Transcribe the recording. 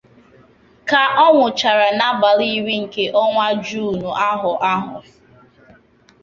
ka ọ nwụchara n'abalị iri nke ọnwa Juunu ahọ ahụ.